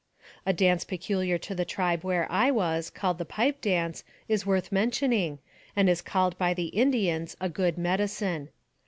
A dance peculiar to the tribe where I was, called the pipe dance, is worth mentioning, and is called by the Indians a good medicine.